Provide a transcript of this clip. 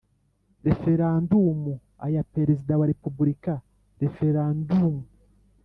Referendumu aya perezida wa repubulika referendum